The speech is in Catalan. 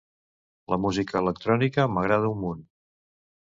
La música electrònica m'agrada un munt.